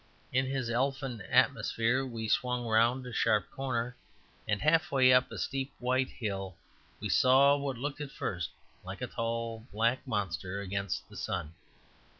In this elfin atmosphere we swung round a sharp corner and half way up a steep, white hill, and saw what looked at first like a tall, black monster against the sun.